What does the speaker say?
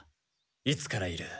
いつからいる？